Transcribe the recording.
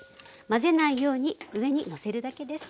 混ぜないように上にのせるだけです。